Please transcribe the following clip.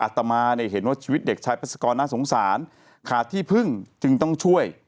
ตมาเห็นว่าชีวิตเด็กชายพัศกรน่าสงสารขาดที่พึ่งจึงต้องช่วย